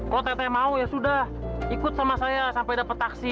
kalau tete mau ya sudah ikut sama saya sampai dapat taksi